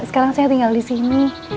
sekarang saya tinggal disini